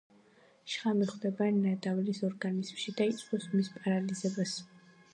შხამი ხვდება ნადავლის ორგანიზმში და იწვევს მის პარალიზებას.